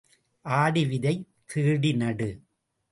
ஆடி விதை தேடி நடு.